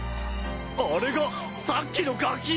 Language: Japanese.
あれがさっきのガキ！？